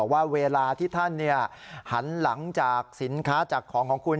ว่าเวลาที่ท่านหันหลังจากสินค้าจากของของคุณ